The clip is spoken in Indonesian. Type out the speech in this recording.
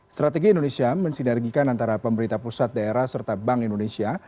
strategi indonesia mensinergikan antara pemerintah pusat daerah serta bank indonesia